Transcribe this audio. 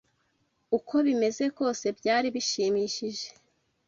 Uko bimeze kose byari bishimishije